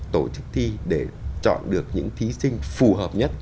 tổ chức thi để chọn được những thí sinh phù hợp nhất